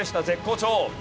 絶好調！